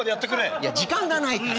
いや時間がないから。